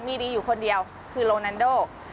มีดีอยู่คนเดียวคือโรนันโด